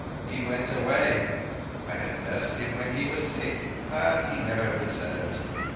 He went away—I had nursed him when he was sick—but he never returned.